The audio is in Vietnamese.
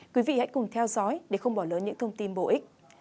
quý vị hãy cùng theo dõi để không bỏ lỡ những thông tin bổ ích